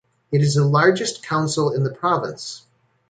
It is the largest council in the province.